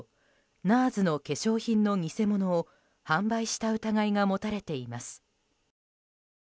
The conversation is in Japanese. ＮＡＲＳの化粧品の偽物を販売した疑いが持たれています。